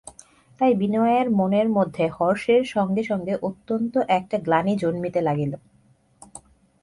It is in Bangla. তাই বিনয়ের মনের মধ্যে হর্ষের সঙ্গে সঙ্গে অত্যন্ত একটা গ্লানি জন্মিতে লাগিল।